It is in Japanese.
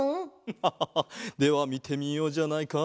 フハハハではみてみようじゃないか。